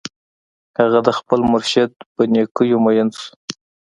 هغه د خپل مرشد په نېکیو مین شو